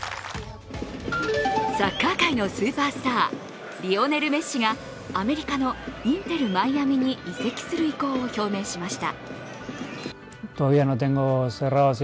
サッカー界のスーパースター、リオネル・メッシがアメリカのインテル・マイアミに移籍する意向を表明しました。